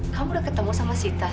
kamu udah ketemu sama sita